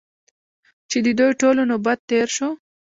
چې د دوی ټولو نوبت تېر شو.